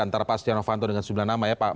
antara pak stiano fanto dengan sejumlah nama ya pak